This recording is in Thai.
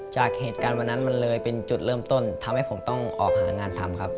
จากเหตุการณ์วันนั้นมันเลยเป็นจุดเริ่มต้นทำให้ผมต้องออกหางานทำครับ